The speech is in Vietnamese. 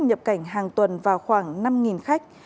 nhập cảnh hàng tuần vào khoảng năm khách